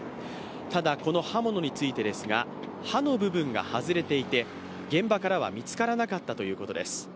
ただ、この刃物についてですが、刃の部分が外れていて、現場からは見つからなかったということです。